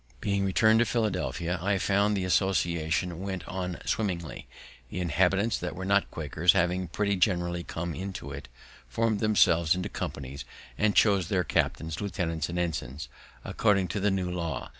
Being returned to Philadelphia, I found the association went on swimmingly, the inhabitants that were not Quakers having pretty generally come into it, formed themselves into companies, and chose their captains, lieutenants, and ensigns, according to the new law.